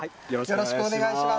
よろしくお願いします。